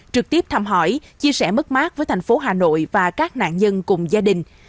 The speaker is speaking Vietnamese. trực tiếp thăm hỏi chia sẻ mất mát với tp hcm và các nạn nhân cùng gia đình